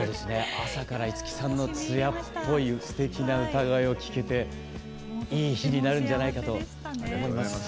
朝から五木さんの艶っぽいすてきな歌声を聞けていい日になるんじゃないかと思います。